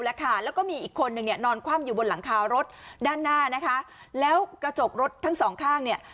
แล้วก็มีอีกคนนึงเนี่ยนอนคว่ำอยู่บนหลังคารถด้านหน้านะคะแล้วกระจกรถทั้งสองข้างเนี่ย